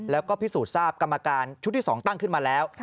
แล้วก็พิสูจน์ทราบกรรมการชุดที่๒ตั้งขึ้นมาแล้ว